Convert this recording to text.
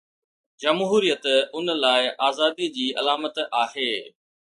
جمهوريت ان آزادي جي علامت آهي.